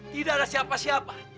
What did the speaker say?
tidak ada siapa siapa